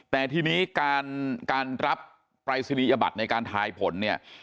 แต่ทีนี้การรับปรายศนียบัตรในการทายผลเนี่ย